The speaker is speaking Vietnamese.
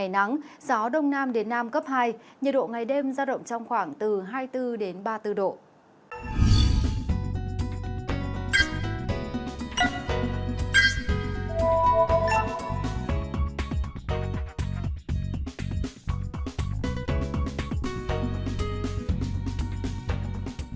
đến với biển đông tại quần đảo hoàng sa có mưa rào và rông gió đông nam đến nam cấp hai nhiệt độ ngày đêm ra động trong khoảng hai mươi bốn ba mươi bốn độ